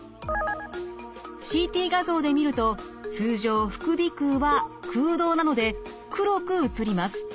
ＣＴ画像で見ると通常副鼻腔は空洞なので黒く写ります。